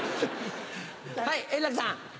はい円楽さん。